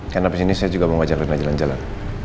karena abis ini saya juga mau ajak rena jalan jalan